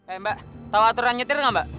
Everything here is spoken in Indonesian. ehm mbak tau aturan nyetir gak mbak